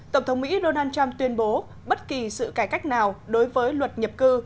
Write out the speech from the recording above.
tổng thống mỹ donald trump tuyên bố bất kỳ sự cải cách nào đối với luật nhập cư